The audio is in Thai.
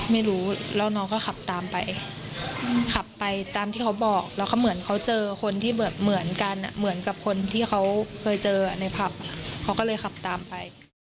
ไม่รู้แล้วน้องก็ขับตามไปขับไปตามที่เขาบอกแล้วก็เหมือนเขาเจอคนที่แบบเหมือนกันเหมือนกับคนที่เขาเคยเจอในผับเขาก็เลยขับตามไป